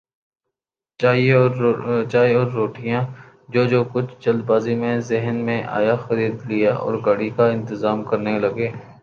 چائے اور روٹیاں جو جو کچھ جلد بازی میں ذہن میں آیا خرید لیااور گاڑی کا انتظار کرنے لگے ۔